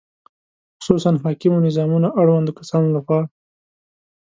خصوصاً حاکمو نظامونو اړوندو کسانو له خوا